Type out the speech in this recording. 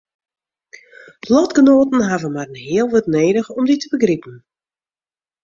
Lotgenoaten hawwe mar in heal wurd nedich om dy te begripen.